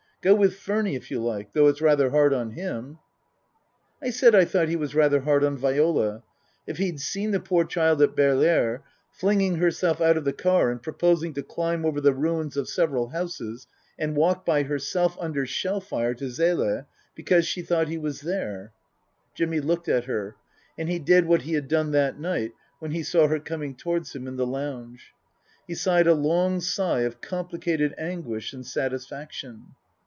Go with Furny if you like, though it's rather hard on him." I said I thought he was rather hard on Viola if he'd seen the poor child at Baerlere, flinging herself out of the car and proposing to climb over the ruins of several houses and walk by herself under shell fire to Zele, because she thought he was there Jimmy looked at her ; and he did what he had done that night when he saw her coming towards him in the lounge. He sighed a long sigh of complicated anguish and satisfaction.